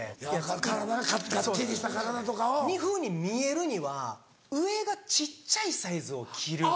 体ながっちりした体とか。にふうに見えるには上が小っちゃいサイズを着る。